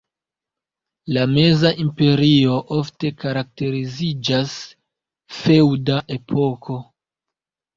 La Meza Imperio ofte karakteriziĝas "feŭda epoko".